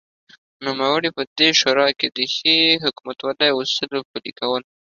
نوموړی په دې شورا کې دښې حکومتولۍ او اصولو پلې کولو